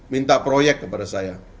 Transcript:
minta proyek kepada saya